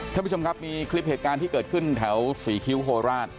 ท่านผู้ชมครับมีคลิปเหตุการณ์ที่เกิดขึ้นแถวศรีคิ้วโคราช